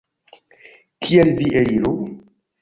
Kiel vi eliru?